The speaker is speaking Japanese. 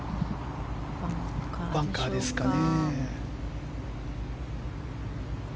バンカーですかね。